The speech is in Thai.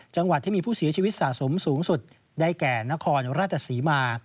จังหวัดที่มีผู้เสียชีวิตสะสมสูงสุดได้แก่นครราชศรีมา